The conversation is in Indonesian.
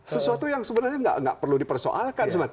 sesuatu yang sebenarnya nggak perlu dipersoalkan